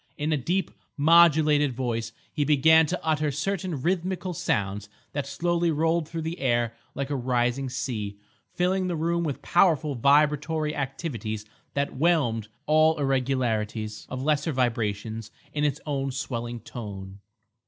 In a deep, modulated voice he began to utter certain rhythmical sounds that slowly rolled through the air like a rising sea, filling the room with powerful vibratory activities that whelmed all irregularities of lesser vibrations in its own swelling tone.